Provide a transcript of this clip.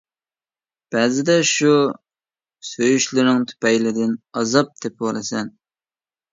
بەزىدە شۇ سۆيۈشلىرىڭ تۈپەيلىدىن ئازاب تېپىۋالىسەن.